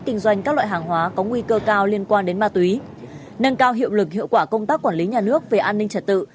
kinh doanh các loại hàng hóa có nguy cơ cao liên quan đến ma túy nâng cao hiệu lực hiệu quả công tác quản lý nhà nước về an ninh trật tự